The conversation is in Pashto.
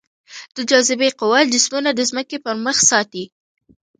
د جاذبې قوه جسمونه د ځمکې پر مخ ساتي.